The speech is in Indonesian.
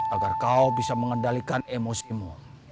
agar kau bisa mengendalikan emosimu